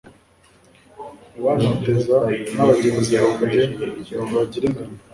Abantoteza n’abanzi banjye ntibagira ingano